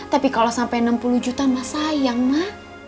tapi kalau sampai enam puluh juta ma sayang ma